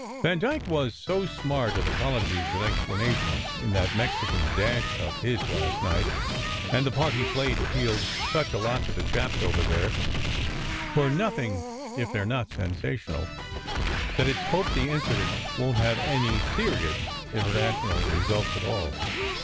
Vandyke was so smart at apologies and explanations in that Mexican dash of his last night, and the part he played appealed such a lot to the chaps over there, who re nothing if they re not sensational, that it s hoped the incident won t have any serious international results at all.